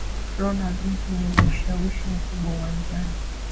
Ronald mtu mwenye ushawishi mkubwa uwanjani